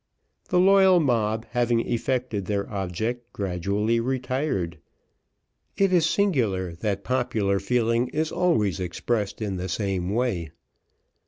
The loyal mob having effected their object, gradually retired. It is singular, that popular feeling is always expressed in the same way.